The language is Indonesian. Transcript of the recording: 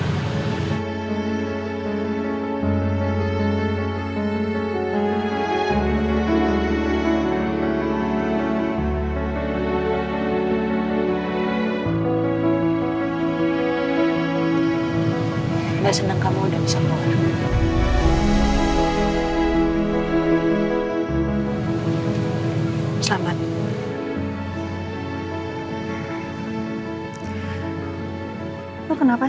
gak seneng kamu udah bersama orang